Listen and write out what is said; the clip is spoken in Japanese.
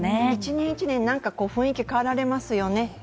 １年１年、雰囲気変わられますよね